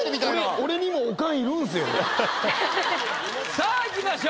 さあいきましょう。